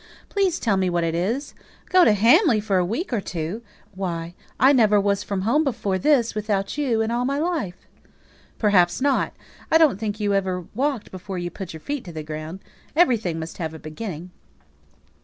Please, tell me what it is. Go to Hamley for a week or two! Why, I never was from home before this without you in all my life." "Perhaps not. I don't think you ever walked before you put your feet to the ground. Everything must have a beginning."